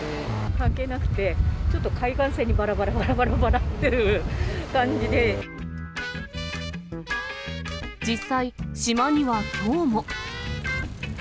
関係なくて、ちょっと海岸線にばらばら、実際、島にはきょうも。